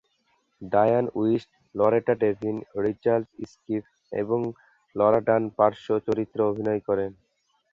ডায়ান Wiest, Loretta Devine, Richard Schiff এবং Laura Dern পার্শ্ব চরিত্রে অভিনয় করেন।